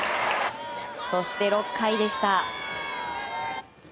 そして、６回でした。